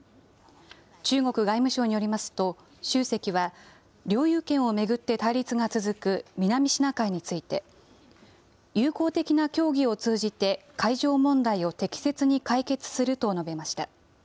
中国外務省によりますと、習主席は、領有権を巡って対立が続く南シナ海について、友好的な協議を通じて、海上問題を適切に解決すると述べました。